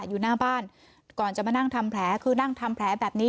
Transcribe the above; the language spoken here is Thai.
อยู่หน้าบ้านก่อนจะมานั่งทำแผลคือนั่งทำแผลแบบนี้